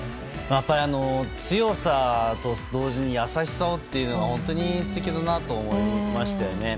強さと同時に優しさをというのが本当に素敵だなと思いましたよね。